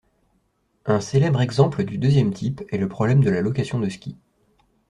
Un célèbre exemple du deuxième type est le problème de la location de skis.